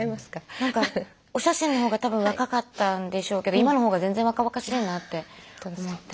なんかお写真の方がたぶん若かったんでしょうけど今の方が全然若々しいなって思って。